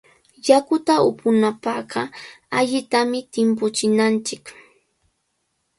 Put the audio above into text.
Yakuta upunapaqqa allitami timpuchinanchik.